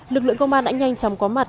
lực lượng công an đã nhanh chóng có mặt